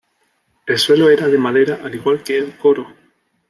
El suelo era de madera al igual que el coro.